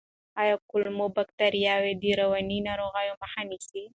آیا کولمو بکتریاوې د رواني ناروغیو مخه نیسي؟